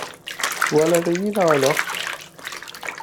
Twalaḍ-iyi neɣ ala?